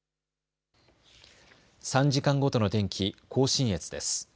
３時間ごとの天気、甲信越です。